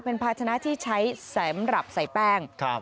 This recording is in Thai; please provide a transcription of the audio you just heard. เป็นภาชนะที่ใช้แสมรับใส่แป้ง